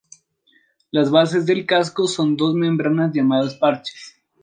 Las bases del casco son dos membranas llamadas parches.